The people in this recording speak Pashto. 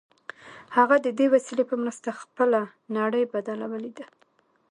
هغه د دې وسیلې په مرسته خپله نړۍ بدله ولیده